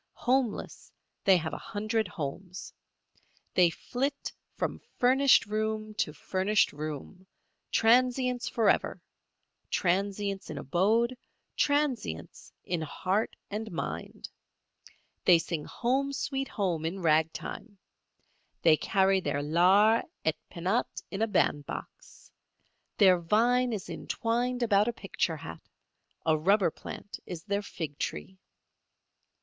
Homeless, they have a hundred homes. They flit from furnished room to furnished room, transients forever—transients in abode, transients in heart and mind. They sing "Home, Sweet Home" in ragtime; they carry their lares et penates in a bandbox; their vine is entwined about a picture hat; a rubber plant is their fig tree.